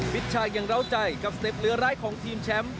ชชายังเล่าใจกับสเต็ปเหลือร้ายของทีมแชมป์